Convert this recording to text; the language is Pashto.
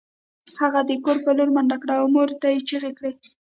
هغه د کور په لور منډه کړه او مور ته یې چیغې کړې